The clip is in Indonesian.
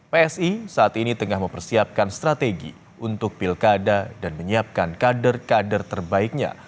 psi saat ini tengah mempersiapkan strategi untuk pilkada dan menyiapkan kader kader terbaiknya